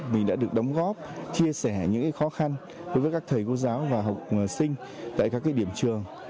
mình đã được đóng góp chia sẻ những khó khăn đối với các thầy cô giáo và học sinh tại các điểm trường